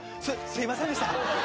「すすいませんでした」